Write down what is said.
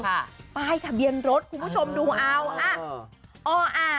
ป้ายขาเบียนรถคุณผู้ชมดูเอา